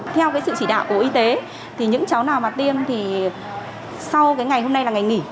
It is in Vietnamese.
theo sự chỉ đạo của y tế thì những cháu nào mà tiêm thì sau ngày hôm nay là ngày nghỉ